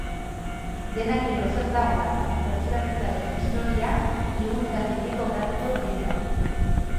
Denak ere oso ezagunak, bertsolaritzaren historia liburuetan betiko geratuko direnak.